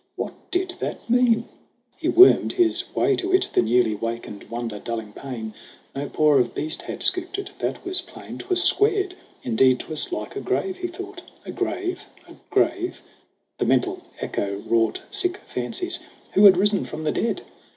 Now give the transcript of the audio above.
What did that mean ? He wormed his way to it, The newly wakened wonder dulling pain. No paw of beast had scooped it that was plain. 'Twas squared ; indeed, 'twas like a grave, he thought. A grave a grave the mental echo wrought Sick fancies ! Who had risen from the dead